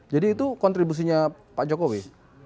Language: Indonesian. itu kontribusinya pak jokowi